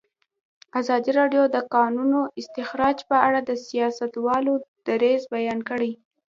ازادي راډیو د د کانونو استخراج په اړه د سیاستوالو دریځ بیان کړی.